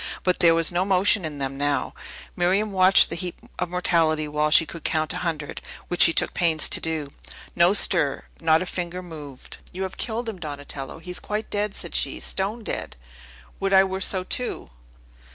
But there was no motion in them now. Miriam watched the heap of mortality while she could count a hundred, which she took pains to do. No stir; not a finger moved! "You have killed him, Donatello! He is quite dead!" said she. "Stone dead! Would I were so, too!"